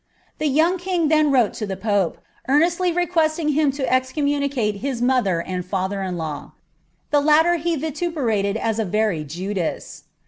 The young king then wrote to the pope, eomesllt requesting him to escommunicaic his mother and failier in law ; the latter he vituperated as a very Judas.